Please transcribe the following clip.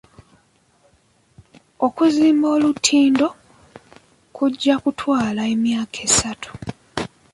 Okuzimba olutindo kujja kutwala emyaka essatu.